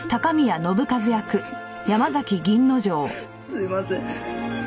すいません。